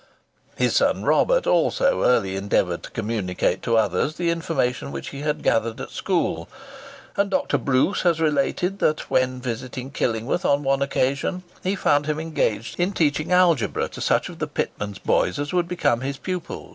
His son Robert also early endeavoured to communicate to others the information which he had gathered at school; and Dr. Bruce has related that, when visiting Killingworth on one occasion, he found him engaged in teaching algebra to such of the pitmen's boys as would become his pupils.